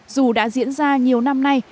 dù đã diễn ra nhiều năm nay